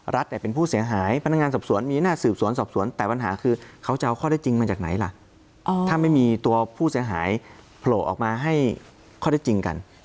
เป็นผู้เสียหายพนักงานสอบสวนมีหน้าสืบสวนสอบสวนแต่ปัญหาคือเขาจะเอาข้อได้จริงมาจากไหนล่ะถ้าไม่มีตัวผู้เสียหายโผล่ออกมาให้ข้อได้จริงกัน